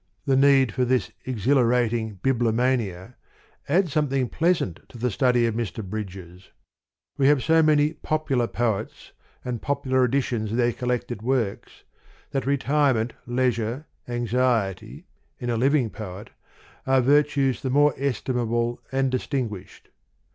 the need for this exhilarating bibliomania, add something pleasant to the study of Mr. Bridges: we have so many popular poets, and popular editions of their Col lected Works, that retirement, leisure, anx iety, in a living poet, are virtues the more estimable and distinguished.